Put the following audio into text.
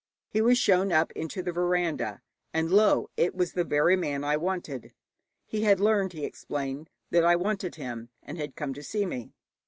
He was shown up into the veranda, and, lo! it was the very man I wanted. He had heard, he explained, that I wanted him, and had come to see me.